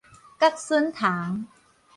角筍蟲